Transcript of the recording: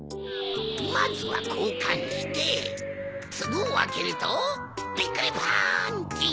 まずはこうかんしてつぼをあけるとびっくりパンチ！